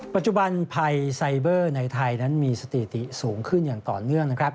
ปัจจุบันภัยไซเบอร์ในไทยนั้นมีสถิติสูงขึ้นอย่างต่อเนื่องนะครับ